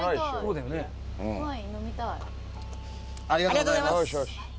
ありがとうございます。